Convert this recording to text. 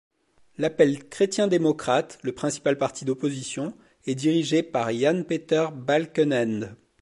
L'Appel chrétien-démocrate, le principal parti d'opposition est dirigé par Jan Peter Balkenende.